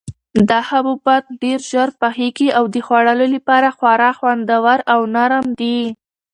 دا حبوبات ډېر ژر پخیږي او د خوړلو لپاره خورا خوندور او نرم دي.